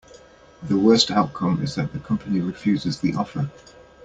The worst outcome is that the company refuses the offer.